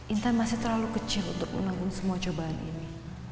intan masih terlalu kecil untuk menanggung semua cobaan ini